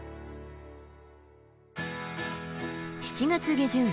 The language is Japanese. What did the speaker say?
７月下旬。